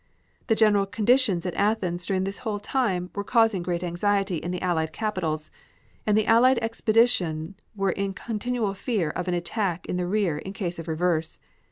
The general conditions at Athens during this whole time were causing great anxiety in the Allied capitals, and the Allied expedition were in continual fear of an attack in the rear in case of reverse.